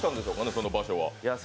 その場所は。